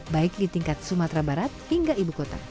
baik di tingkat sumatera barat hingga ibu kota